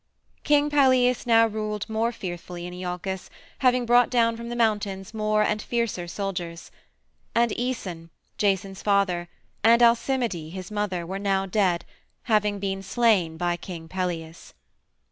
King Pelias now ruled more fearfully in Iolcus, having brought down from the mountains more and fiercer soldiers. And Æson, Jason's father, and Alcimide, his mother, were now dead, having been slain by King Pelias.